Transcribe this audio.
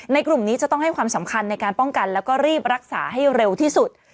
กลุ่มนี้จะต้องให้ความสำคัญในการป้องกันแล้วก็รีบรักษาให้เร็วที่สุด